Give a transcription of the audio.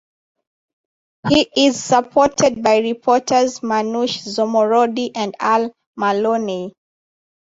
He is supported by reporters Manoush Zomorodi and Al Moloney.